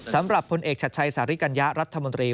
สำหรับผลเอกชัดชัยสาริกัญญะรัฐมนตรี